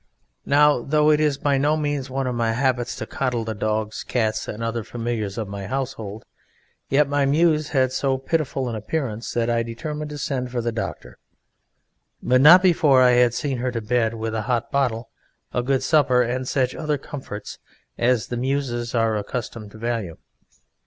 Now, though it is by no means one of my habits to coddle the dogs, cats and other familiars of my household, yet my Muse had so pitiful an appearance that I determined to send for the doctor, but not before I had seen her to bed with a hot bottle, a good supper, and such other comforts as the Muses are accustomed to value.